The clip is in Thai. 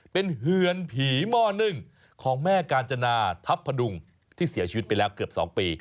เป็นเฮือนผีหม้อนึ่งของแม่กาญจนาทัพพดุงที่เสียชีวิตไปแล้วเกือบ๒ปี